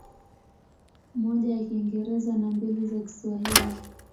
Moja ya Kiingereza na mbili za Kiswahili.